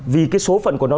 vì cái số phận của nó